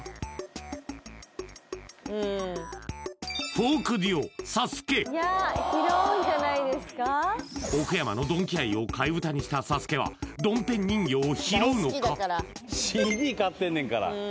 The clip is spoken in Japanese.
フォークデュオサスケ奥山のドンキ愛を替え歌にしたサスケはドンペン人形を拾うのか？